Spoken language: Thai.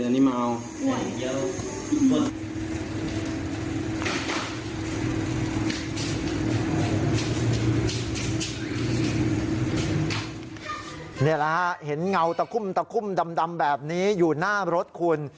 นี่แหละฮะเห็นเงาตะคุ่มตะคุ่มดำแบบนี้อยู่หน้ารถคุณ